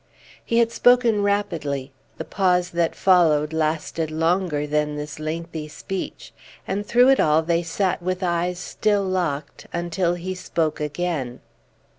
He had spoken rapidly; the pause that followed lasted longer than this lengthy speech. And through it all they sat with eyes still locked, until he spoke again.